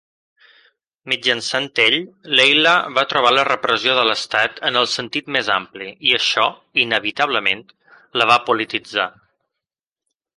Mitjançant ell, Leyla va trobar la repressió de l'estat en el sentit més ampli i això, inevitablement, la va polititzar.